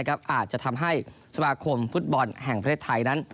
อาจจะทำให้สมาคมฟุตบอลแห่งประเทศไทยนั้น